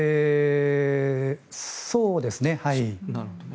そうですね。